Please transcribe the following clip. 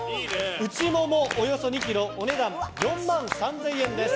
内モモ、およそ２ｋｇお値段４万３０００円です。